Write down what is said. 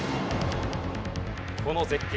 この絶景。